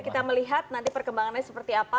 kita melihat nanti perkembangannya seperti apa